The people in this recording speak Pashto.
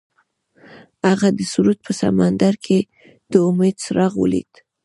هغه د سرود په سمندر کې د امید څراغ ولید.